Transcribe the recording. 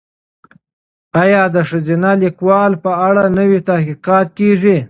ایا د ښځینه لیکوالو په اړه نوي تحقیقات کیږي؟